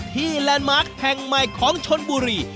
แลนด์มาร์คแห่งใหม่ของชนบุรี